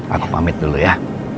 aku pamit dulu ya